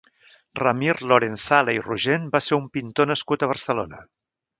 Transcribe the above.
Ramir Lorenzale i Rogent va ser un pintor nascut a Barcelona.